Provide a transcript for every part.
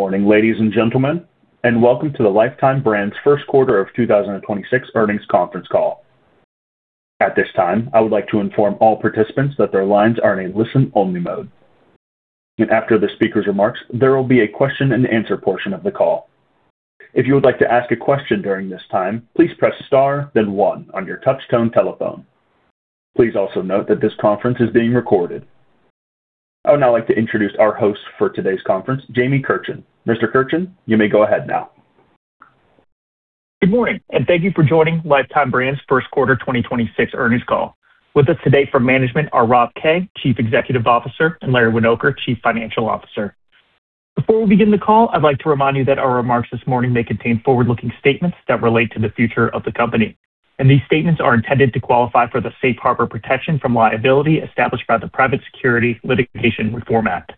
Morning, ladies and gentlemen, and welcome to the Lifetime Brands First Quarter of 2026 Earnings Conference Call. At this time, I would like to inform all participants that their lines are in listen-only mode. After the speaker’s remarks, there will be a question-and-answer portion of the call. If you would like to ask a question during this time, please press star, then one on your touch-tone telephone. Please also note that this conference is being recorded. I would now like to introduce our host for today's conference, Jamie Kirchen. Mr. Kirchen, you may go ahead now. Good morning, and thank you for joining Lifetime Brands' First Quarter 2026 Earnings Call. With us today from management are Rob Kay, Chief Executive Officer, and Laurence Winoker, Chief Financial Officer. Before we begin the call, I'd like to remind you that our remarks this morning may contain forward-looking statements that relate to the future of the company. These statements are intended to qualify for the safe harbor protection from liability established by the Private Securities Litigation Reform Act.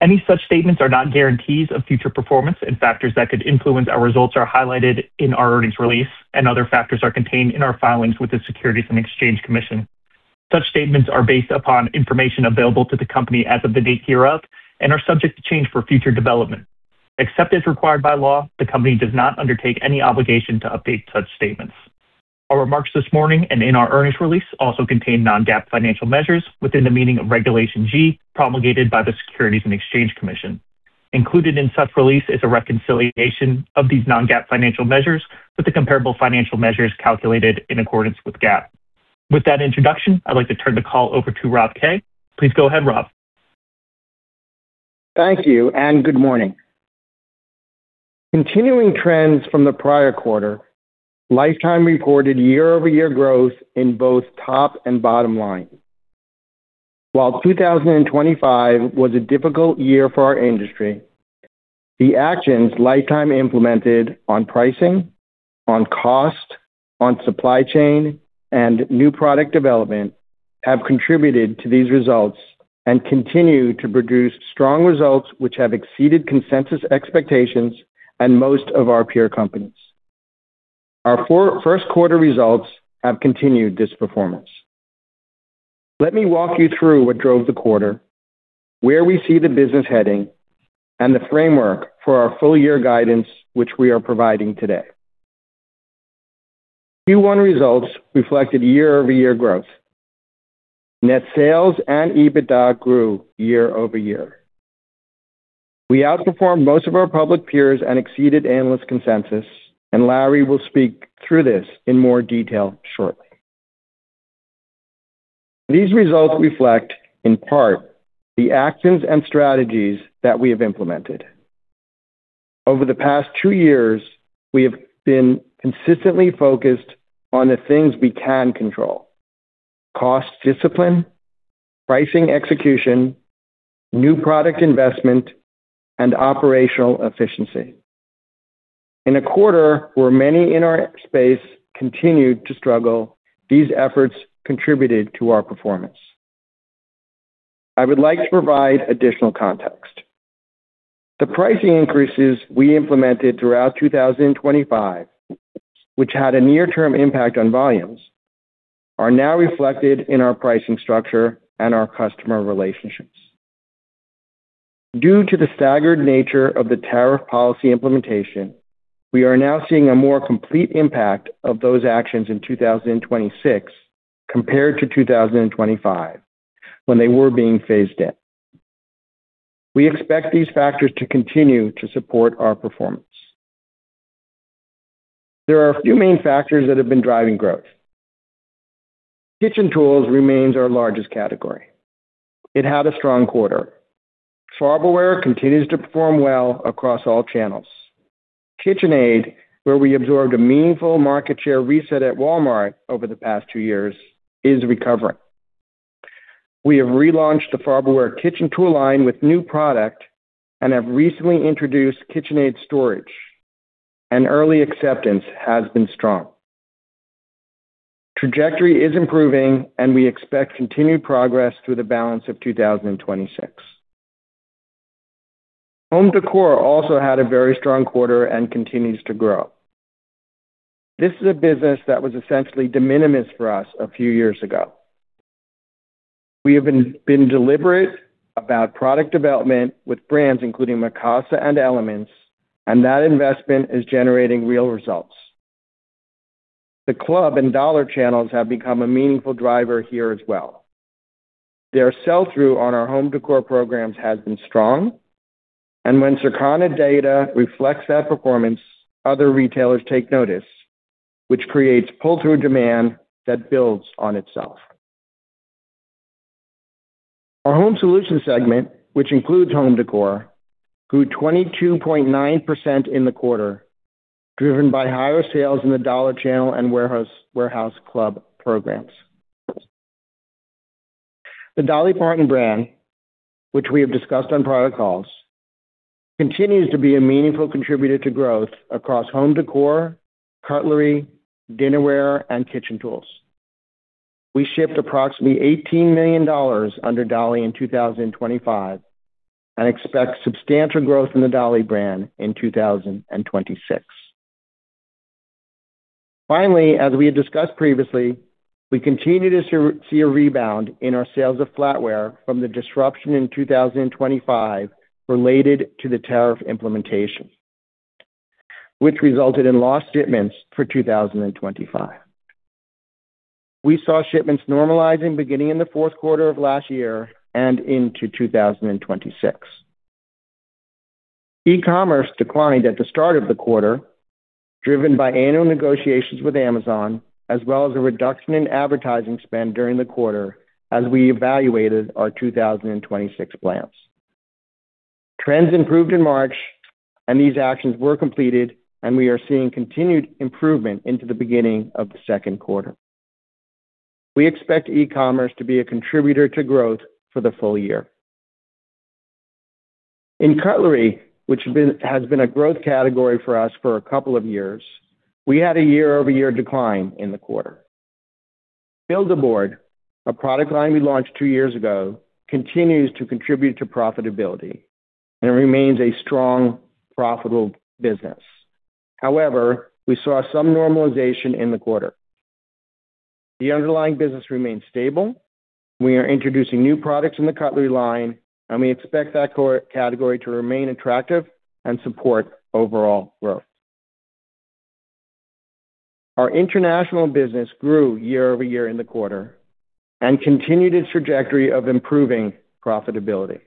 Any such statements are not guarantees of future performance, and factors that could influence our results are highlighted in our earnings release, and other factors are contained in our filings with the Securities and Exchange Commission. Such statements are based upon information available to the company as of the date hereof and are subject to change for future development. Except as required by law, the company does not undertake any obligation to update such statements. Our remarks this morning and in our earnings release also contain non-GAAP financial measures within the meaning of Regulation G promulgated by the Securities and Exchange Commission. Included in such release is a reconciliation of these non-GAAP financial measures with the comparable financial measures calculated in accordance with GAAP. With that introduction, I'd like to turn the call over to Rob Kay. Please go ahead, Rob. Thank you, and good morning. Continuing trends from the prior quarter, Lifetime reported year-over-year growth in both top and bottom line. While 2025 was a difficult year for our industry, the actions Lifetime implemented on pricing, on cost, on supply chain, and new product development have contributed to these results and continue to produce strong results which have exceeded consensus expectations and most of our peer companies. Our first quarter results have continued this performance. Let me walk you through what drove the quarter, where we see the business heading, and the framework for our full-year guidance, which we are providing today. Q1 results reflected year-over-year growth. Net sales and EBITDA grew year-over-year. We outperformed most of our public peers and exceeded analyst consensus, Larry will speak through this in more detail shortly. These results reflect, in part, the actions and strategies that we have implemented. Over the past two years, we have been consistently focused on the things we can control. Cost discipline, pricing execution, new product investment, and operational efficiency. In a quarter where many in our space continued to struggle, these efforts contributed to our performance. I would like to provide additional context. The pricing increases we implemented throughout 2025, which had a near-term impact on volumes, are now reflected in our pricing structure and our customer relationships. Due to the staggered nature of the tariff policy implementation, we are now seeing a more complete impact of those actions in 2026 compared to 2025, when they were being phased in. We expect these factors to continue to support our performance. There are a few main factors that have been driving growth. Kitchen tools remains our largest category. It had a strong quarter. Farberware continues to perform well across all channels. KitchenAid, where we absorbed a meaningful market share reset at Walmart over the past two years, is recovering. We have relaunched the Farberware kitchen tool line with new products and have recently introduced KitchenAid storage, and early acceptance has been strong. Trajectory is improving, and we expect continued progress through the balance of 2026. Home decor also had a very strong quarter and continues to grow. This is a business that was essentially de minimis for us a few years ago. We have been deliberate about product development with brands including Mikasa and Elements, and that investment is generating real results. The club and dollar channels have become a meaningful driver here as well. Their sell-through on our home decor programs has been strong. When Circana data reflects that performance, other retailers take notice, which creates pull-through demand that builds on itself. Our home solution segment, which includes home decor, grew 22.9% in the quarter, driven by higher sales in the dollar channel and warehouse club programs. The Dolly Parton brand, which we have discussed on prior calls, continues to be a meaningful contributor to growth across home decor, cutlery, dinnerware, and kitchen tools. We shipped approximately $18 million under Dolly in 2025 and expect substantial growth in the Dolly brand in 2026. As we had discussed previously, we continue to see a rebound in our sales of flatware from the disruption in 2025 related to the tariff implementation, which resulted in lost shipments for 2025. We saw shipments normalizing beginning in the fourth quarter of last year and into 2026. E-commerce declined at the start of the quarter, driven by annual negotiations with Amazon, as well as a reduction in advertising spend during the quarter as we evaluated our 2026 plans. Trends improved in March, and these actions were completed, and we are seeing continued improvement into the beginning of the second quarter. We expect e-commerce to be a contributor to growth for the full year. In cutlery, which has been a growth category for us for a couple of years, we had a year-over-year decline in the quarter. Build-A-Board, a product line we launched two years ago, continues to contribute to profitability and remains a strong, profitable business. However, we saw some normalization in the quarter. The underlying business remains stable. We are introducing new products in the cutlery line, and we expect that category to remain attractive and support overall growth. Our international business grew year-over-year in the quarter and continued its trajectory of improving profitability.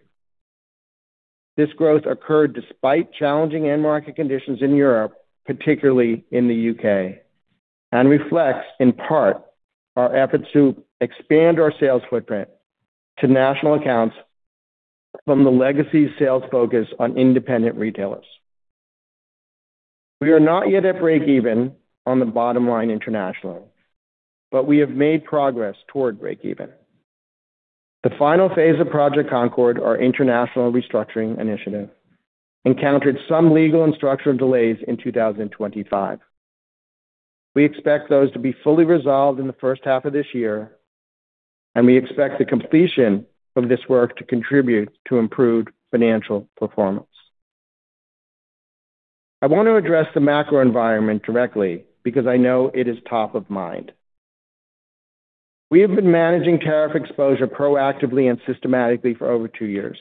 This growth occurred despite challenging end market conditions in Europe, particularly in the U.K., and reflects, in part, our efforts to expand our sales footprint to national accounts from the legacy sales focus on independent retailers. We are not yet at break even on the bottom line internationally, but we have made progress toward break even. The final phase of Project Concord, our international restructuring initiative, encountered some legal and structural delays in 2025. We expect those to be fully resolved in the first half of this year, and we expect the completion of this work to contribute to improved financial performance. I want to address the macro environment directly because I know it is top of mind. We have been managing tariff exposure proactively and systematically for over two years.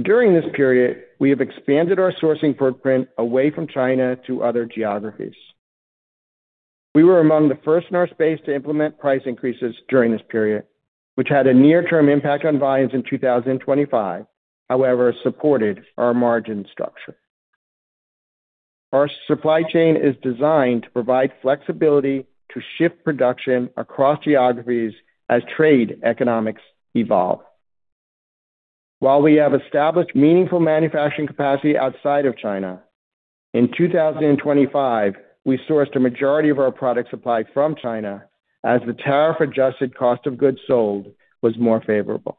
During this period, we have expanded our sourcing footprint away from China to other geographies. We were among the first in our space to implement price increases during this period, which had a near-term impact on volumes in 2025, however, it supported our margin structure. Our supply chain is designed to provide flexibility to shift production across geographies as trade economics evolve. While we have established meaningful manufacturing capacity outside of China, in 2025, we sourced a majority of our product supply from China as the tariff-adjusted cost of goods sold was more favorable.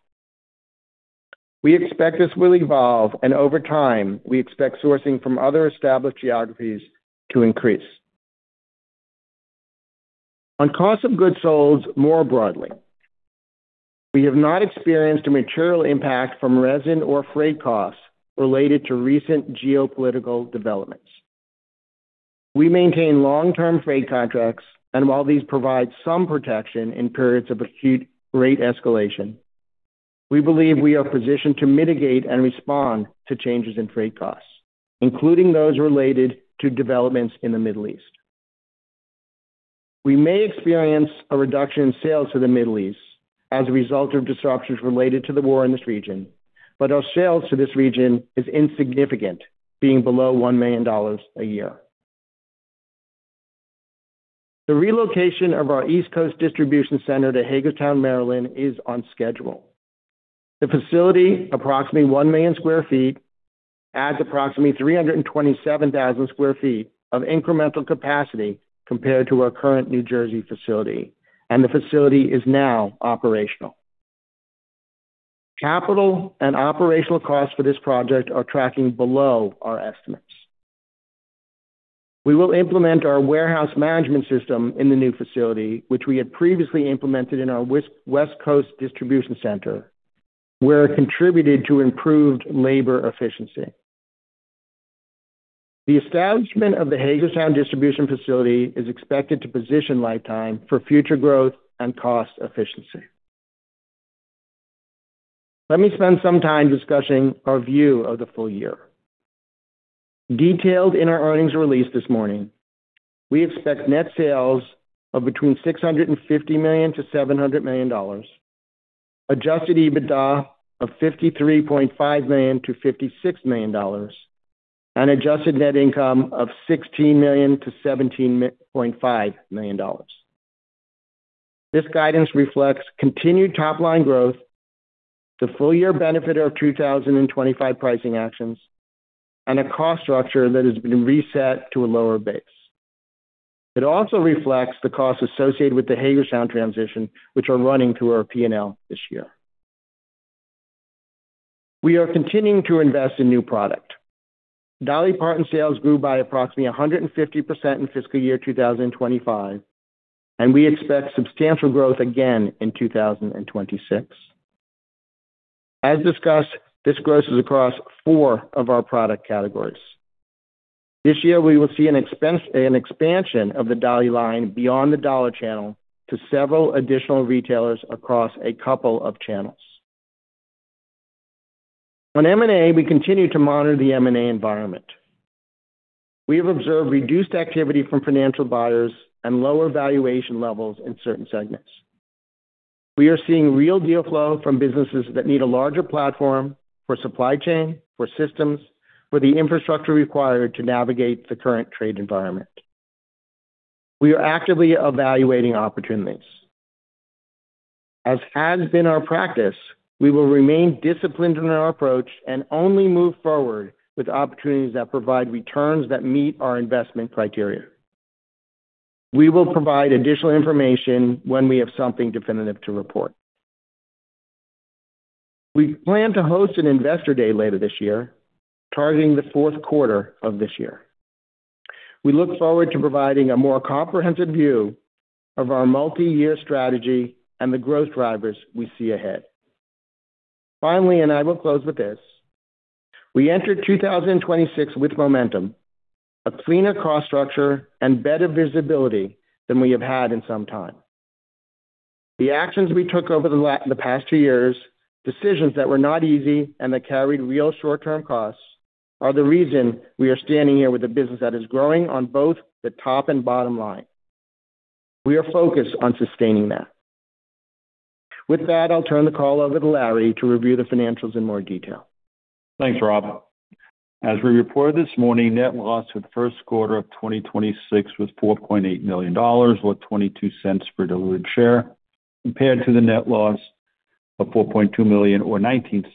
We expect this will evolve, and over time, we expect sourcing from other established geographies to increase. On cost of goods sold more broadly, we have not experienced a material impact from resin or freight costs related to recent geopolitical developments. We maintain long-term freight contracts, and while these provide some protection in periods of acute rate escalation, we believe we are positioned to mitigate and respond to changes in freight costs, including those related to developments in the Middle East. We may experience a reduction in sales to the Middle East as a result of disruptions related to the war in this region, but our sales to this region is insignificant, being below $1 million a year. The relocation of our East Coast distribution center to Hagerstown, Maryland, is on schedule. The facility, approximately 1 million sq ft, adds approximately 327,000 sq ft of incremental capacity compared to our current New Jersey facility, and the facility is now operational. Capital and operational costs for this project are tracking below our estimates. We will implement our warehouse management system in the new facility, which we had previously implemented in our West Coast distribution center, where it contributed to improved labor efficiency. The establishment of the Hagerstown distribution facility is expected to position Lifetime for future growth and cost efficiency. Let me spend some time discussing our view of the full year. Detailed in our earnings release this morning, we expect net sales of between $650 million- $700 million, adjusted EBITDA of $53.5 million-$56 million, and adjusted net income of $16 million-$17.5 million. This guidance reflects continued top-line growth, the full-year benefit of 2025 pricing actions, and a cost structure that has been reset to a lower base. It also reflects the costs associated with the Hagerstown transition, which are running through our P&L this year. We are continuing to invest in new product. Dolly Parton sales grew by approximately 150% in fiscal year 2025, and we expect substantial growth again in 2026. As discussed, this grows across four of our product categories. This year, we will see an expansion of the dollar line beyond the dollar channel to several additional retailers across a couple of channels. On M&A, we continue to monitor the M&A environment. We have observed reduced activity from financial buyers and lower valuation levels in certain segments. We are seeing real deal flow from businesses that need a larger platform for supply chain, for systems, for the infrastructure required to navigate the current trade environment. We are actively evaluating opportunities. As has been our practice, we will remain disciplined in our approach and only move forward with opportunities that provide returns that meet our investment criteria. We will provide additional information when we have something definitive to report. We plan to host an investor day later this year, targeting the fourth quarter of this year. We look forward to providing a more comprehensive view of our multi-year strategy and the growth drivers we see ahead. Finally, and I will close with this, we entered 2026 with momentum, a cleaner cost structure, and better visibility than we have had in some time. The actions we took over the past two years, decisions that were not easy and that carried real short-term costs, are the reason we are standing here with a business that is growing on both the top and bottom line. We are focused on sustaining that. With that, I'll turn the call over to Larry to review the financials in more detail. Thanks, Rob. As we reported this morning, net loss for the first quarter of 2026 was $4.8 million, or $0.22 per diluted share, compared to the net loss of $4.2 million, or $0.19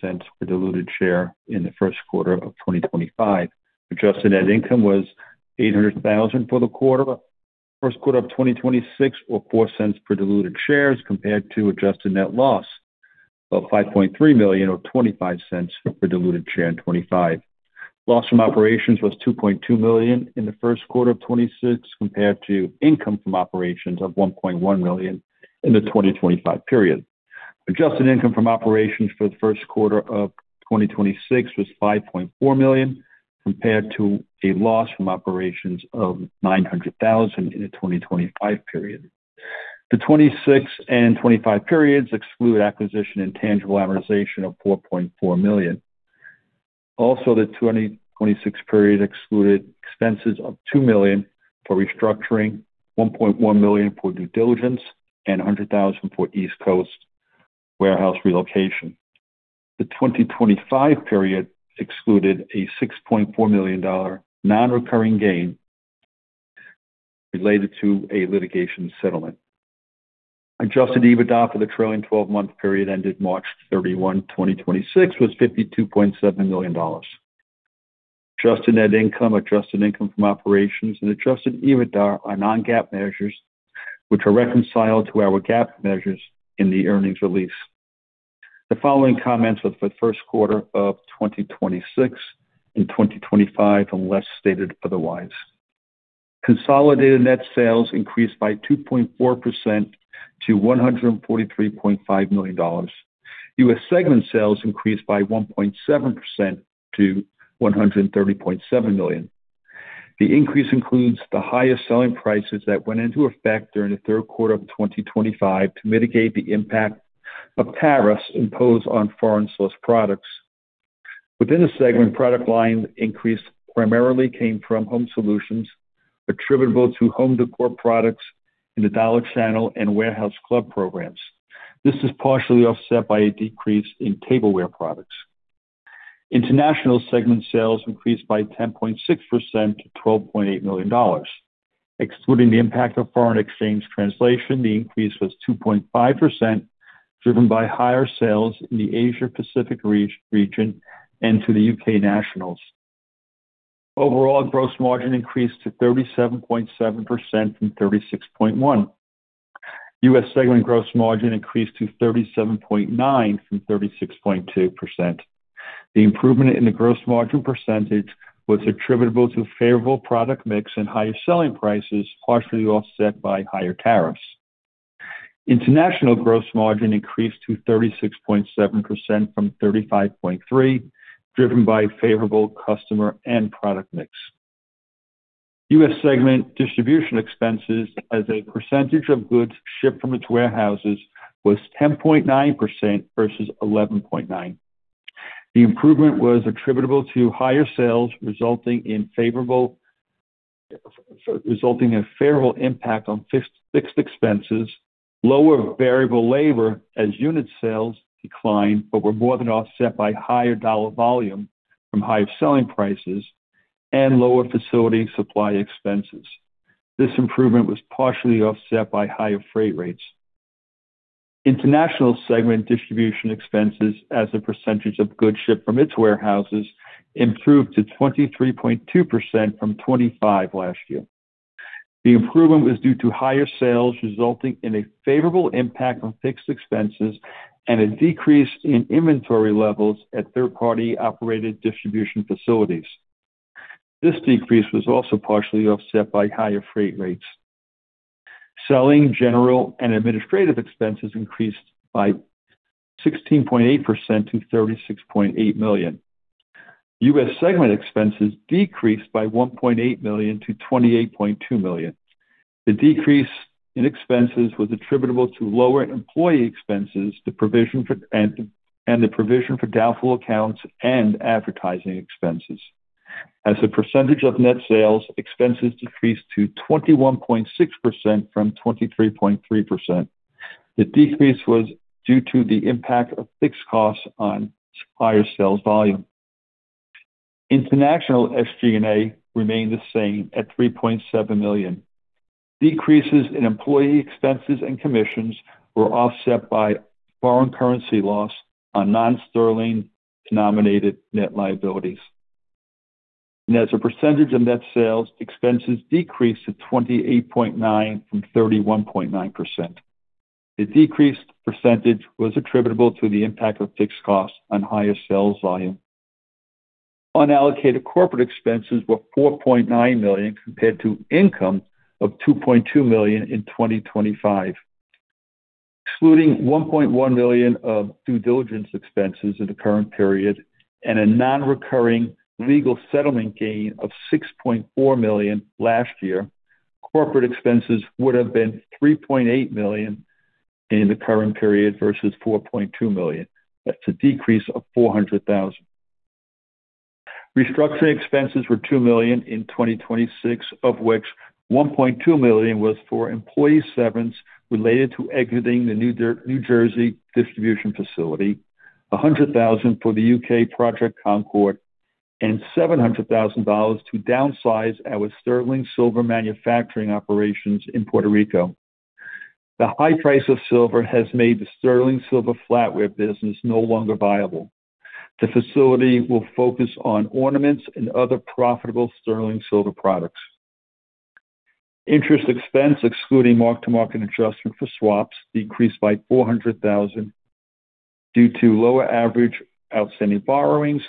per diluted share, in the first quarter of 2025. Adjusted net income was $800,000 for the first quarter of 2026, or $0.04 per diluted share, compared to an adjusted net loss of $5.3 million, or $0.25 per diluted share, in 2025. Loss from operations was $2.2 million in the first quarter of 2026 compared to income from operations of $1.1 million in the 2025 period. Adjusted income from operations for the first quarter of 2026 was $5.4 million, compared to a loss from operations of $900,000 in the 2025 period. The 2026 and 2025 periods exclude acquisition and tangible amortization of $4.4 million. The 2026 period excluded expenses of $2 million for restructuring, $1.1 million for due diligence, and $100,000 for East Coast warehouse relocation. The 2025 period excluded a $6.4 million non-recurring gain related to a litigation settlement. Adjusted EBITDA for the trailing 12-month period ended March 31, 2026, was $52.7 million. Adjusted net income, adjusted income from operations, and adjusted EBITDA are non-GAAP measures which are reconciled to our GAAP measures in the earnings release. The following comments are for the 1st quarter of 2026 and 2025, unless stated otherwise. Consolidated net sales increased by 2.4% to $143.5 million. U.S. segment sales increased by 1.7% to $130.7 million. The increase includes the highest selling prices that went into effect during the third quarter of 2025 to mitigate the impact of tariffs imposed on foreign-sourced products. Within the segment, product line increase primarily came from home solutions attributable to home decor products in the dollar channel and warehouse club programs. This is partially offset by a decrease in tableware products. International segment sales increased by 10.6% to $12.8 million. Excluding the impact of foreign exchange translation, the increase was 2.5%, driven by higher sales in the Asia Pacific region and to the U.K. nationals. Overall, gross margin increased to 37.7% from 36.1%. U.S. segment gross margin increased to 37.9% from 36.2%. The improvement in the gross margin percentage was attributable to favorable product mix and higher selling prices, partially offset by higher tariffs. International gross margin increased to 36.7% from 35.3%, driven by favorable customer and product mix. U.S. segment distribution expenses as a percentage of goods shipped from its warehouses was 10.9% versus 11.9%. The improvement was attributable to higher sales, resulting in a favorable impact on fixed expenses and lower variable labor as unit sales declined, but were more than offset by higher dollar volume from higher selling prices and lower facility and supply expenses. This improvement was partially offset by higher freight rates. International segment distribution expenses as a percentage of goods shipped from its warehouses improved to 23.2% from 25% last year. The improvement was due to higher sales, resulting in a favorable impact on fixed expenses and a decrease in inventory levels at third-party-operated distribution facilities. This decrease was also partially offset by higher freight rates. Selling, general, and administrative expenses increased by 16.8% to $36.8 million. U.S. segment expenses decreased by $1.8 million to $28.2 million. The decrease in expenses was attributable to lower employee expenses, the provision for doubtful accounts, and advertising expenses. As a percentage of net sales, expenses decreased to 21.6% from 23.3%. The decrease was due to the impact of fixed costs on higher sales volume. International SG&A remained the same at $3.7 million. Decreases in employee expenses and commissions were offset by foreign currency loss on nonsterling-denominated net liabilities. As a percentage of net sales, expenses decreased to 28.9% from 31.9%. The decreased percentage was attributable to the impact of fixed costs on higher sales volume. Unallocated corporate expenses were $4.9 million, compared to income of $2.2 million in 2025. Excluding $1.1 million of due diligence expenses in the current period and a non-recurring legal settlement gain of $6.4 million last year, corporate expenses would have been $3.8 million in the current period versus $4.2 million. That's a decrease of $400,000. Restructuring expenses were $2 million in 2026, of which $1.2 million was for employee severance related to exiting the New Jersey distribution facility, $100,000 for the U.K. Project Concord, and $700,000 to downsize our sterling silver manufacturing operations in Puerto Rico. The high price of silver has made the sterling silver flatware business no longer viable. The facility will focus on ornaments and other profitable sterling silver products. Interest expense, excluding mark-to-market adjustment for swaps, decreased by $400,000 due to lower average outstanding borrowings,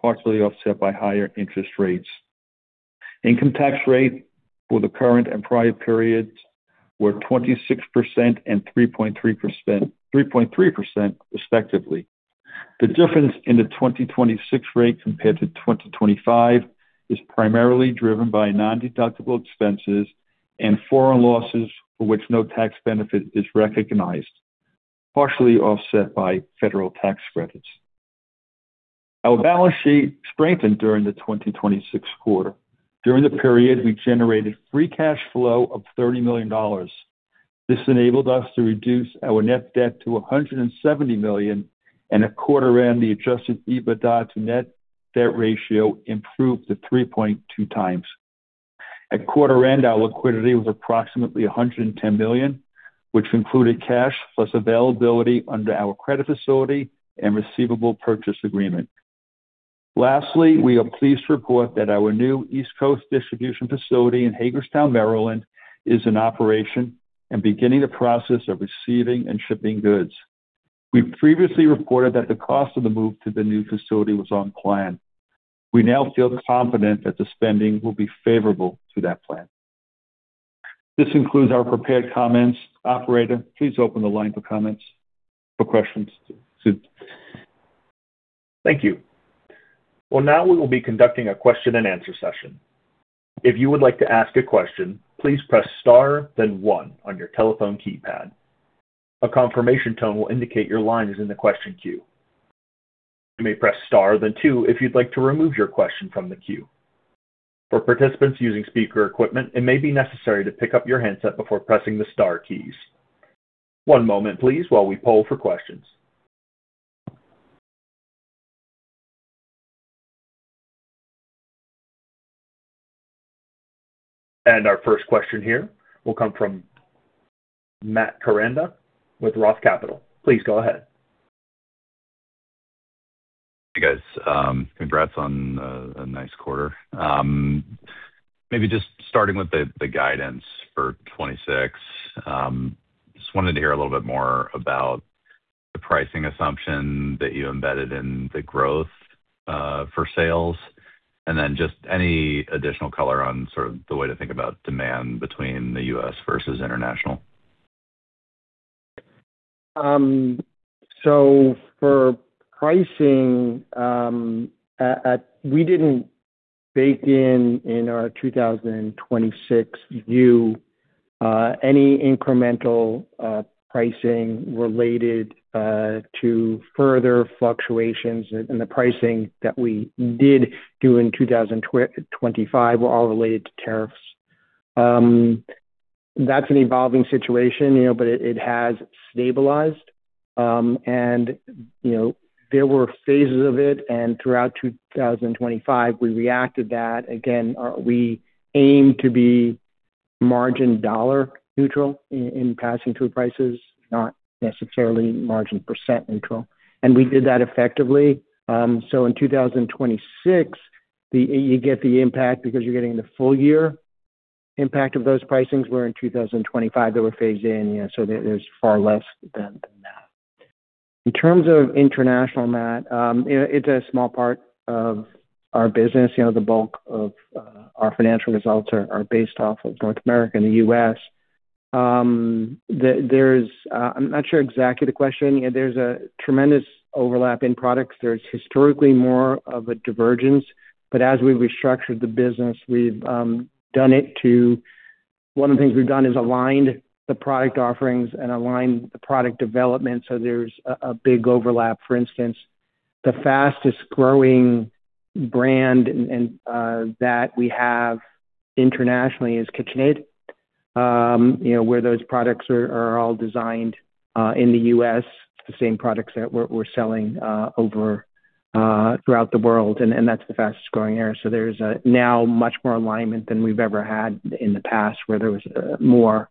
partially offset by higher interest rates. Income tax rates for the current and prior periods were 26% and 3.3%, respectively. The difference in the 2026 rate compared to 2025 is primarily driven by non-deductible expenses and foreign losses for which no tax benefit is recognized, partially offset by federal tax credits. Our balance sheet strengthened during the 2026 quarter. During the period, we generated free cash flow of $30 million. This enabled us to reduce our net debt to $170 million, and at quarter-end, the adjusted EBITDA to net debt ratio improved to 3.2x. At quarter-end, our liquidity was approximately $110 million, which included cash plus availability under our credit facility and receivable purchase agreement. Lastly, we are pleased to report that our new East Coast distribution facility in Hagerstown, Maryland, is in operation and beginning the process of receiving and shipping goods. We previously reported that the cost of the move to the new facility was on plan. We now feel confident that the spending will be favorable to that plan. This concludes our prepared comments. Operator, please open the line for comments and questions to proceed. Thank you. Well, now we will be conducting a question-and-answer session. If you would like to ask a question, please press star, then one on your telephone keypad. A confirmation tone will indicate your line is in the question queue. You may press star then two if you'd like to remove your question from the queue. For participants using speaker equipment, it may be necessary to pick up your handset before pressing the star keys. One moment, please, while we poll for questions. Our first question here will come from Matt Koranda with ROTH Capital Partners. Please go ahead. Hey, guys. Congrats on a nice quarter. Maybe just starting with the guidance for 2026. Just wanted to hear a little bit more about the pricing assumption that you embedded in the growth for sales and then just any additional color on the sort of way to think about demand between the U.S. versus international. For pricing, at, we didn't bake in our 2026 view any incremental pricing related to further fluctuations. The pricing that we did do in 2025 was all related to tariffs. That's an evolving situation, you know, but it has stabilized. You know, there were phases of it, and throughout 2025, we reacted to that. Again, we aim to be margin-dollar neutral in passing through prices, not necessarily margin-percent neutral. We did that effectively. In 2026, you get the impact because you're getting the full-year impact of those pricings, whereas in 2025, they were phased in. There's far less than that. In terms of international, Matt, you know it's a small part of our business. You know, the bulk of our financial results are based off of North America and the U.S. I'm not sure exactly about the question. There's a tremendous overlap in products. There's historically more of a divergence, but as we restructured the business, we've done. One of the things we've done is aligned the product offerings and aligned the product development, so there's a big overlap. For instance, the fastest-growing brand that we have internationally is KitchenAid. You know, where those products are all designed in the U.S., the same products that we're selling throughout the world, and that's the fastest-growing area. There's now much more alignment than we've ever had in the past, when there was more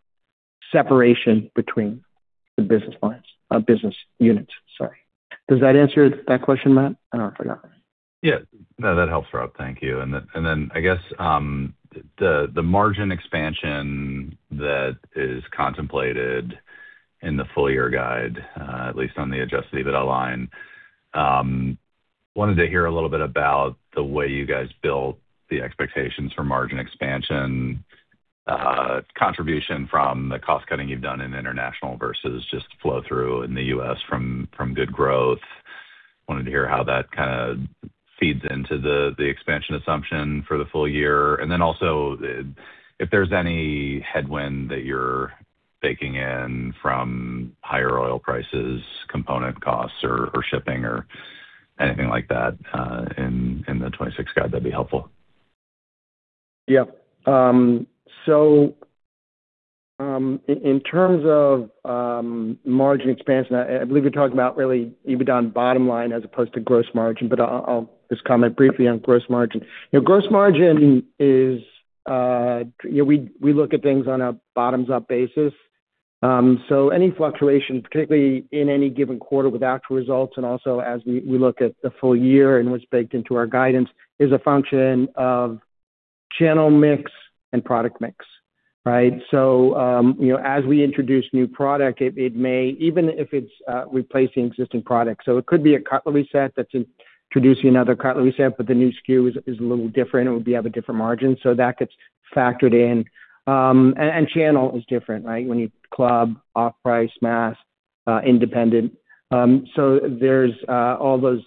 separation between the business lines, business units. Sorry. Does that answer that question, Matt? I don't know if I got it. No, that helps, Rob Kay. Thank you. I guess the margin expansion that is contemplated in the full-year guide, at least on the adjusted EBITDA line, wanted to hear a little bit about the way you guys built the expectations for margin expansion, contribution from the cost-cutting you've done in international versus just flow-through in the U.S. from good growth. Wanted to hear how that kind of feeds into the expansion assumption for the full year. Also, if there's any headwind that you're baking in from higher oil prices, component costs, shipping, or anything like that in the 2026 guide, that'd be helpful. Yeah. In terms of margin expansion, I believe you're talking about really EBITDA on the bottom line as opposed to gross margin, but I'll just comment briefly on gross margin. Gross margin is we look at things on a bottom-up basis. Any fluctuations, particularly in any given quarter with actual results, and also as we look at the full year and what's baked into our guidance, is a function of channel mix and product mix, right? As we introduce a new product, it may, even if it's replacing an existing product. It could be a cutlery set that's introducing another cutlery set, but the new SKU is a little different. It would be of a different margin, so that gets factored in. And channel is different, right? When you club, off-price, mass, independent. There's all those,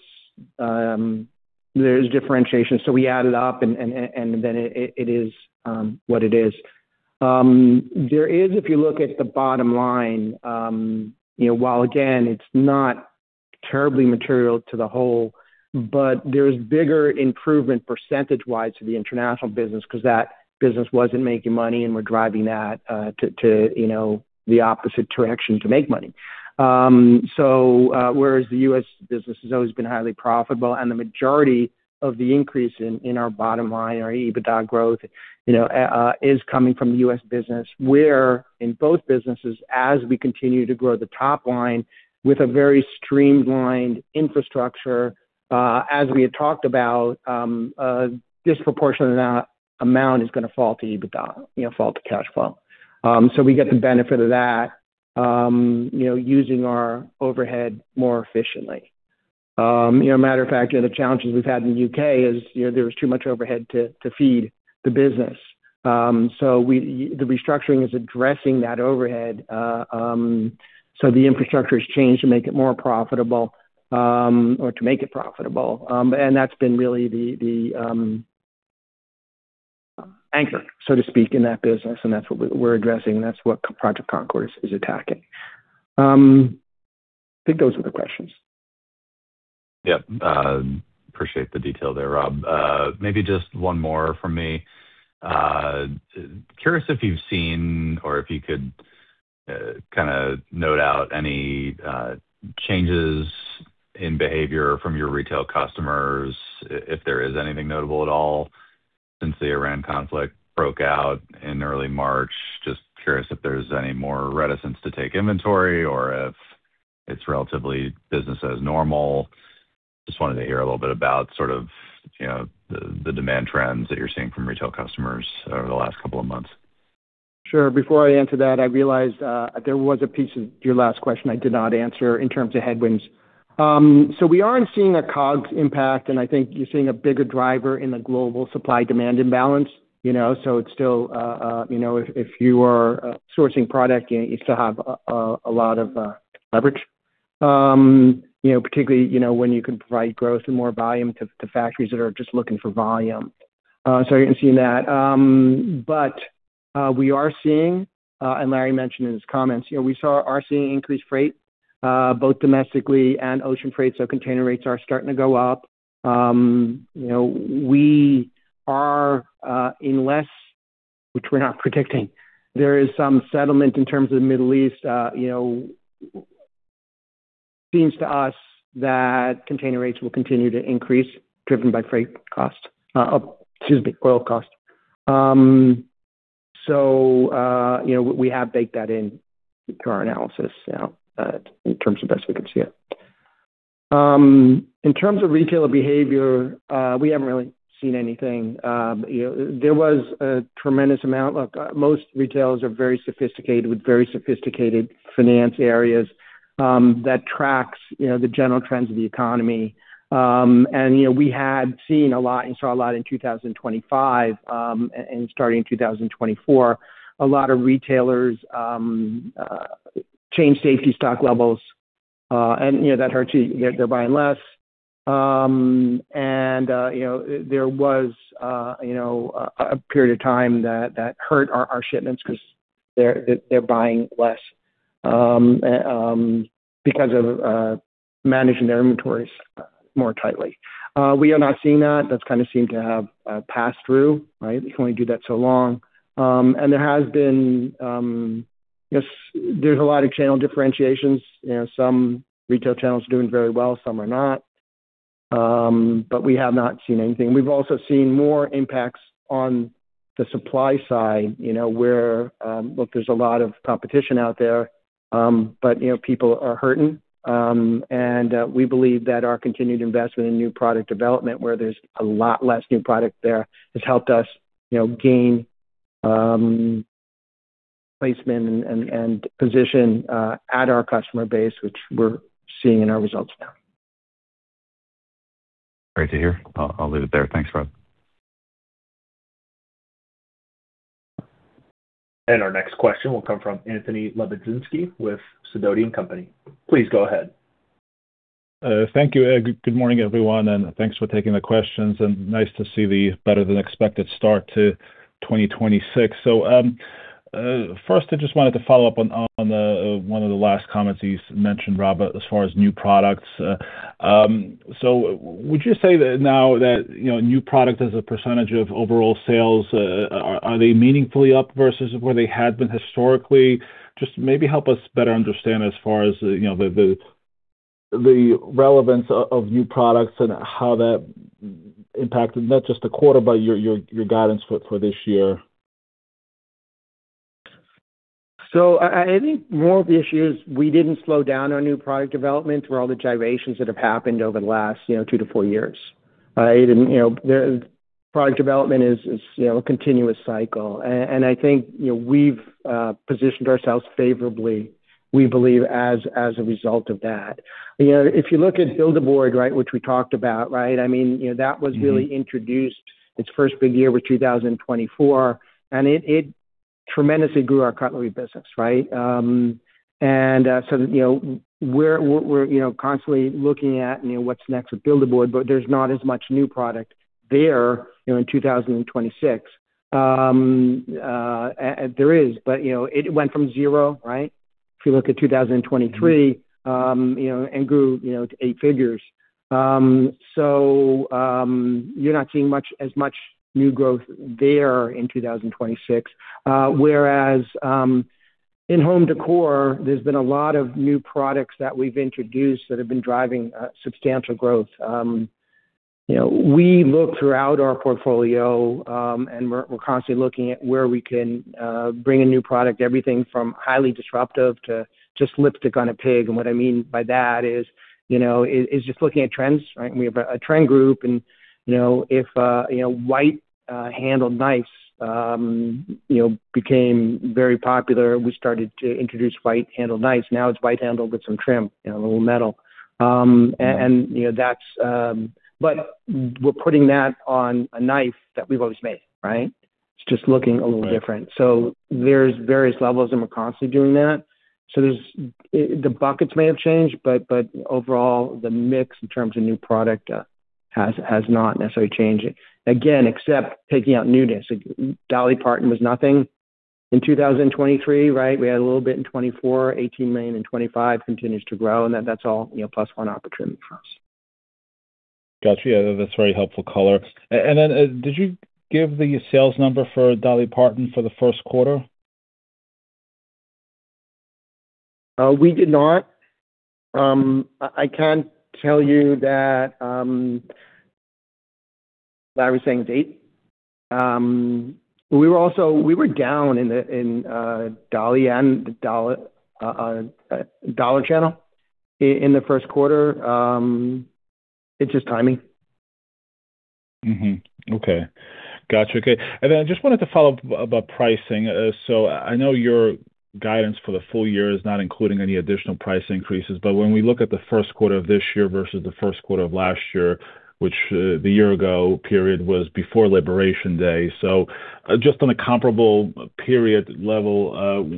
there's differentiation. We add it up, and then it is what it is. There is, if you look at the bottom line, you know, while again, it's not terribly material to the whole, there's bigger improvement percentage-wise to the international business 'cause that business wasn't making money, and we're driving that to, you know, the opposite direction to make money. Whereas the U.S. business has always been highly profitable, and the majority of the increase in our bottom line, our EBITDA growth, you know, is coming from the U.S. business, whereas in both businesses, as we continue to grow the top line with a very streamlined infrastructure, as we had talked about, a disproportionate amount is gonna fall to EBITDA, you know, fall to cash flow. We get the benefit of that, you know, using our overhead more efficiently. You know, matter of fact, you know, the challenges we've had in the U.K. is, you know, there was too much overhead to feed the business. The restructuring is addressing that overhead. The infrastructure has changed to make it more profitable or to make it profitable. That's been really the anchor, so to speak, in that business, and that's what we're addressing, and that's what Project Concord is attacking. I think those are the questions. Yep. Appreciate the detail there, Rob. Maybe just one more from me. I'm curious if you've seen or if you could kinda note out any changes in behavior from your retail customers, if there is anything notable at all since the Iran conflict broke out in early March. Just curious if there's any more reticence to take inventory or if it's relatively business as normal. Just wanted to hear a little bit about sort of, you know, the demand trends that you're seeing from retail customers over the last couple of months. Sure. Before I answer that, I realized there was a piece of your last question I did not answer in terms of headwinds. We aren't seeing a COGS impact, and I think you're seeing a bigger driver in the global supply-demand imbalance. You know, it's still, you know, if you are sourcing products, you still have a lot of leverage. You know, particularly, you know, when you can provide growth and more volume to factories that are just looking for volume. You're gonna see that. We are seeing, and Larry mentioned in his comments, you know, we are seeing increased freight, both domestically and ocean freight, container rates are starting to go up. You know, we are, unless, which we're not predicting, there is some settlement in terms of the Middle East, you know, it seems to us that container rates will continue to increase, driven by freight costs. Excuse me, oil costs. You know, we have baked that into our analysis, you know, in terms of the best we can see it. In terms of retailer behavior, we haven't really seen anything. You know, there was a tremendous amount. Look, most retailers are very sophisticated with very sophisticated finance areas, that tracks, you know, the general trends of the economy. You know, we had seen a lot and saw a lot in 2025, and starting in 2024. A lot of retailers changed safety stock levels, and, you know, that hurts you. They're buying less. You know, there was a period of time that hurt our shipments they're buying less because of managing their inventories more tightly. We are not seeing that. That's kinda seemed to have passed through, right? You can only do that so long. Guess there are a lot of channel differentiations. You know, some retail channels are doing very well, some are not. We have not seen anything. We've also seen more impacts on the supply side, you know, where, look, there's a lot of competition out there. You know, people are hurting. We believe that our continued investment in new product development, where there's a lot less new product there, has helped us, you know, gain placement and position with our customer base, which we're seeing in our results now. Great to hear. I'll leave it there. Thanks, Rob. Our next question will come from Anthony Lebiedzinski with Sidoti & Company. Please go ahead. Thank you. Good morning, everyone. Thanks for taking the questions, nice to see the better-than-expected start to 2026. First, I just wanted to follow up on one of the last comments you mentioned, Rob, as far as new products. Would you say that now that, you know, new products are a percentage of overall sales, they are meaningfully up versus where they had been historically? Just maybe help us better understand as far as, you know, the relevance of new products and how that impacted not just the quarter but your guidance for this year. I think more of the issue is we didn't slow down our new product development through all the gyrations that have happened over the last, you know, two to four years. You know, the product development is, you know, a continuous cycle. I think, you know, we've positioned ourselves favorably, we believe, as a result of that. You know, if you look at Build-A-Board, right, which we talked about, right? I mean, you know, that was really introduced, its first big year was 2024, and it tremendously grew our cutlery business, right? You know, we're, you know, constantly looking at, you know, what's next with Build-A-Board, but there's not as much new product there, you know, in 2026. There is, but you know, it went from zero, right? If you look at 2023, you know, and grew, you know, to eight figures. You're not seeing as much new growth there in 2026. Whereas in home decor, there's been a lot of new products that we've introduced that have been driving substantial growth. You know, we look throughout our portfolio, and we're constantly looking at where we can bring a new product, everything from highly disruptive to just lipstick on a pig. What I mean by that is, you know, just looking at trends, right? We have a trend group, and, you know, if you know, white-handled knives became very popular, so we started to introduce white-handled knives. Now it's white-handled with some trim, you know, a little metal. We're putting that on a knife that we've always made, right? It's just looking a little different. There are various levels, and we're constantly doing that. The buckets may have changed, but overall, the mix in terms of new product has not necessarily changed. Again, except for taking out newness. Dolly Parton was nothing in 2023, right? We had a little bit in 2024, $18 million in 2025, continues to grow, that's all, you know, plus one opportunity for us. Got you. That's very helpful color. Did you give the sales number for Dolly Parton for the first quarter? We did not. I can tell you that Larry was saying it's eight. We were also down in the Dolly and the dollar channel in the first quarter. It's just timing. Okay. Got you. Okay. Then I just wanted to follow up about pricing. I know your guidance for the full year is not including any additional price increases, but when we look at the first quarter of this year versus the first quarter of last year, the year-ago period was before Liberation Day. Just on a comparable period level,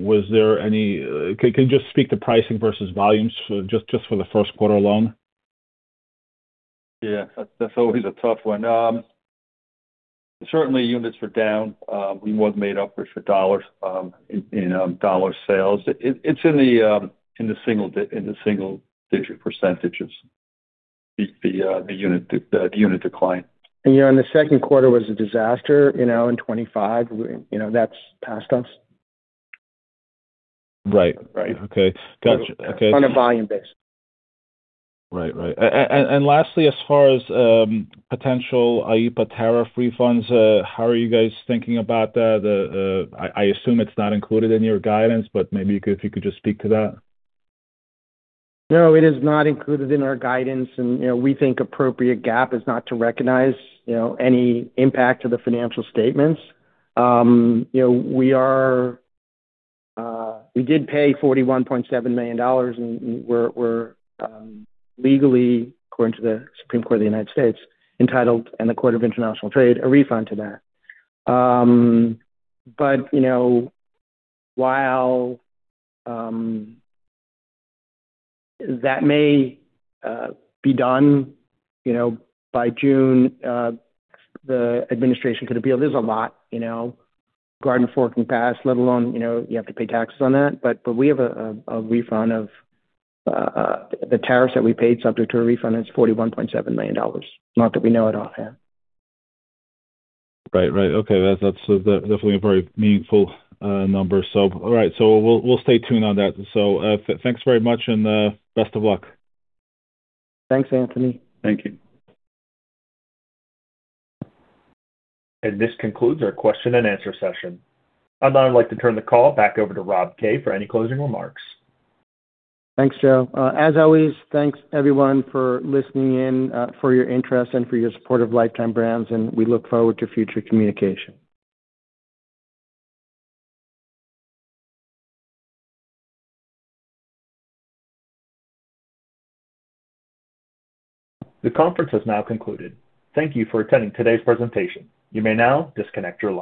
was there any? Can you just speak to pricing versus volumes just for the first quarter alone? Yeah. That's always a tough one. Certainly units were down. We were made up of dollars in dollar sales. It's in the single-digit percentage, the unit decline. Yeah, and the second quarter was a disaster, you know, in 2025. You know, that's past us. Right. Right. Okay. Got you. Okay. On a volume basis. Right. Right. Lastly, as far as potential IEEPA tariff refunds, how are you guys thinking about that? I assume it's not included in your guidance, but maybe if you could just speak to that. No, it is not included in our guidance. You know, we think appropriate GAAP is not to recognize, you know, any impact on the financial statements. You know, we did pay $41.7 million, and we're legally, according to the Supreme Court of the United States, entitled, and the Court of International Trade, a refund for that. You know, while that may be done, you know, by June, the administration could appeal. There's a lot, you know, [inaudible] let alone, you know, you have to pay taxes on that. We have a refund of the tariffs that we paid, subject to a refund of $41.7 million. Not that we know it all, yeah. Right. Right. Okay. That's definitely a very meaningful number. All right, we'll stay tuned on that. Thanks very much and best of luck. Thanks, Anthony. Thank you. This concludes our question-and-answer session. I'd now like to turn the call back over to Rob Kay for any closing remarks. Thanks, Joe. As always, thanks, everyone, for listening in, for your interest, and for your support of Lifetime Brands. We look forward to future communication. The conference has now concluded. Thank you for attending today's presentation. You may now disconnect your line.